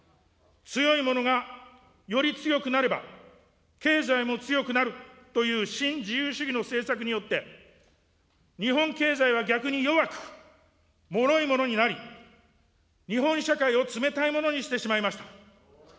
強いものがより強くなれば、経済も強くなるという新自由主義の政策によって、日本経済が逆に弱く、もろいものになり、日本社会を冷たいものにしてしまいました。